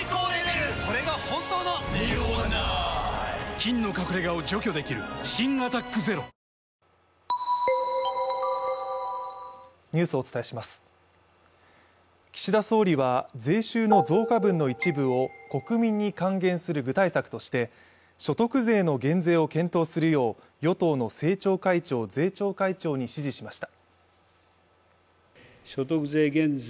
菌の隠れ家を除去できる新「アタックＺＥＲＯ」岸田総理は税収の増加分の一部を国民に還元する具体策として所得税の減税を検討するよう与党の政調会長、税調会長に指示しました